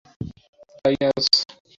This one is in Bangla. তাই, অজ?